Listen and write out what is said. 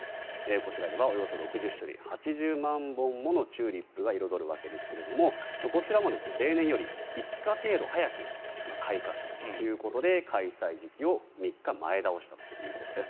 こちらではおよそ６０種類８０万本ものチューリップが彩るわけですがこちらも例年より５日程度早く開花したということで開催時期を３日前倒したということです。